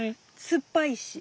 酸っぱいし。